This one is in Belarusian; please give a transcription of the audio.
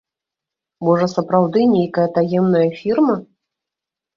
Можа сапраўды нейкая таемная фірма?